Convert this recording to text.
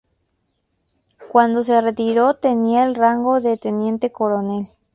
Cuando se retiró tenía el rango de teniente coronel.